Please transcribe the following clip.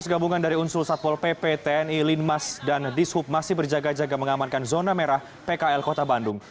gabungan dari unsur satpol pp tni linmas dan dishub masih berjaga jaga mengamankan zona merah pkl kota bandung